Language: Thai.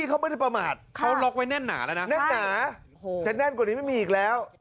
แน่นแต่แน่นกว่านี้ไม่มีอีกแล้ว